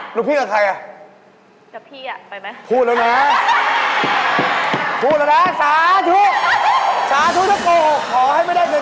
หนูพิกกับใครอย่างนี้